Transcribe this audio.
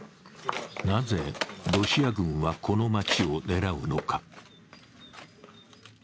なぜロシア軍は、この街を狙うのか。